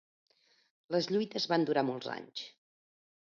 Les lluites van durar molts anys.